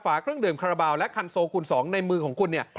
ฝากเครื่องดื่มคาราบาลและคันโซคุณสองในมือของคุณ